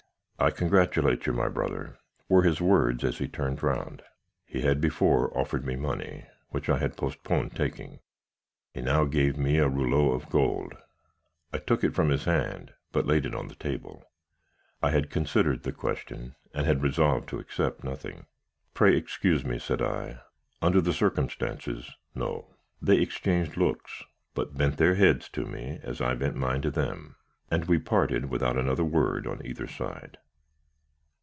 "'I congratulate you, my brother,' were his words as he turned round. "He had before offered me money, which I had postponed taking. He now gave me a rouleau of gold. I took it from his hand, but laid it on the table. I had considered the question, and had resolved to accept nothing. "'Pray excuse me,' said I. 'Under the circumstances, no.' "They exchanged looks, but bent their heads to me as I bent mine to them, and we parted without another word on either side.